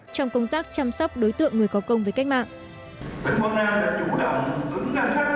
trong công tác chăm sóc đối tượng người có công với cách mạng